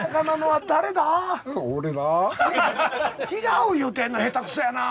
違う言うてんの下手くそやなあ。